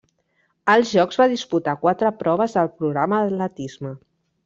Als Jocs va disputar quatre proves del programa d'atletisme.